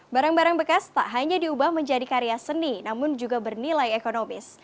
barang barang bekas tak hanya diubah menjadi karya seni namun juga bernilai ekonomis